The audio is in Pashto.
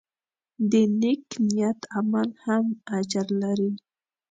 د نیک نیت عمل هم اجر لري.